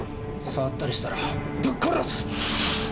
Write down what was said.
触ったりしたらぶっ殺す！